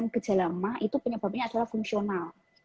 gejala mah itu penyebabnya adalah fungsional